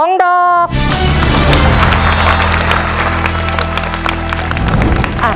คุณฝนจากชายบรรยาย